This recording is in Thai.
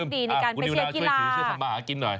คุณอิวนาช่วยถือเชื้อคำมากินหน่อย